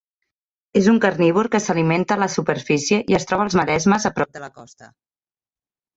És un carnívor que s'alimenta a la superfície i es troba als maresmes a prop de la costa.